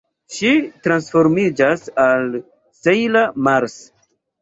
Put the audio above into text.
Ŝi transformiĝas al Sejla Mars.